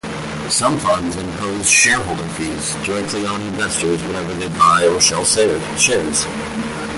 Some funds impose "shareholder fees" directly on investors whenever they buy or sell shares.